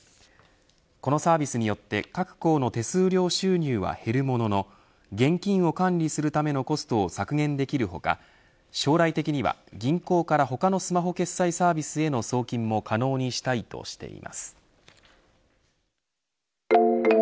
このサービスによって各行の手数料収入は減るものの現金を管理するためのコストを削減できる他将来的いは銀行から他のスマホ決済サービスへの送金も可能にしたいとしています。